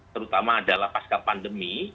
terutama adalah pasca pandemi